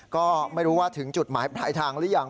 ก็ไม่รู้ว่าถึงจุดหมายปลายทางหรือยัง